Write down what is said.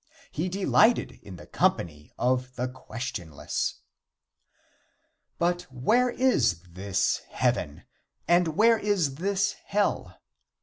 He delighted in the company of the questionless. But where is this heaven, and where is this hell?